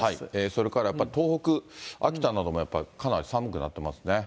それからやっぱり、東北、秋田などもやっぱりかなり寒くなってますね。